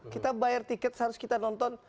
kita bayar tiket harus kita nonton